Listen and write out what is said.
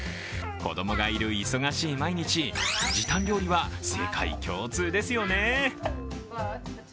子供がいる忙しい毎日、時短料理は世界共通ですよね。